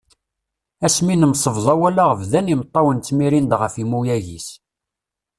Ass mi nemsebḍa walaɣ bdan imeṭṭawen ttmirin-d ɣef imuyag-is.